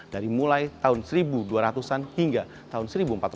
dari mulai tahun seribu dua ratus an hingga tahun seribu empat ratus